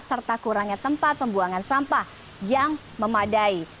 serta kurangnya tempat pembuangan sampah yang memadai